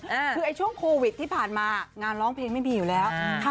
คือไอ้ช่วงโควิดที่ผ่านมางานร้องเพลงไม่มีอยู่แล้วอืมค่ะ